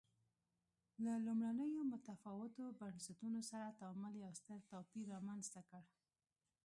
له لومړنیو متفاوتو بنسټونو سره تعامل یو ستر توپیر رامنځته کړ.